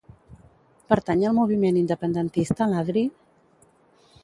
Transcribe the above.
Pertany al moviment independentista l'Adri?